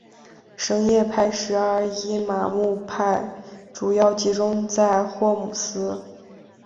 什叶派十二伊玛目派主要集中在霍姆斯。